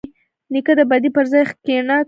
نیکه د بدۍ پر ځای ښېګڼه توصیه کوي.